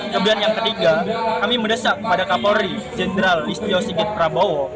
kemudian yang ketiga kami mendesak pada kapol ri jenderal istio sigit prabowo